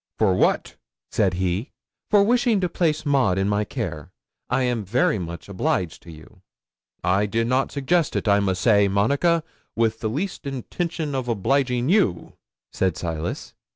'"For what?" said he. '"For wishing to place Maud in my care. I am very much obliged to you." '"I did not suggest it, I must say, Monica, with the least intention of obliging you," said Silas.